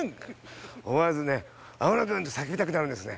思わずね天野くんって叫びたくなるんですね。